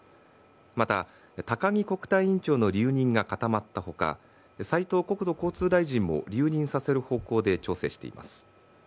また、高木国対委員長の留任が固まった他斉藤国土交通大臣も留任させる方向で調整しています。